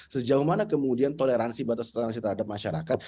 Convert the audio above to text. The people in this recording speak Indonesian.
sejauh mana kemudian toleransi batas toleransi terhadap masyarakat